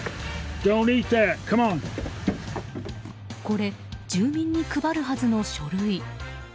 これ、住民に配るはずの書類。